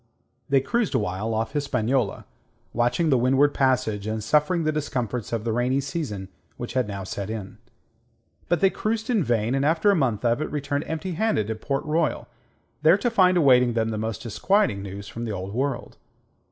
They cruised awhile off Hispaniola, watching the Windward Passage, and suffering the discomforts of the rainy season which had now set in. But they cruised in vain, and after a month of it, returned empty handed to Port Royal, there to find awaiting them the most disquieting news from the Old World.